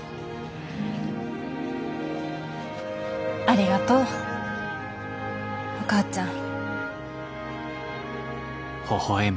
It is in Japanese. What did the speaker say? ありがとうお母ちゃん。